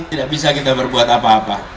tidak bisa kita berbuat apa apa